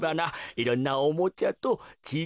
いろんなおもちゃとちぃ